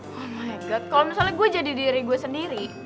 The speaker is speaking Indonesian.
oh my god kalau misalnya gue jadi diri gue sendiri